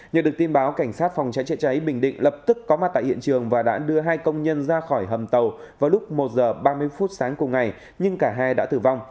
nhờ được tin báo cảnh sát phòng cháy chữa cháy bình định lập tức có mặt tại hiện trường và đã đưa hai công nhân ra khỏi hầm tàu vào lúc một h ba mươi phút sáng cùng ngày nhưng cả hai đã tử vong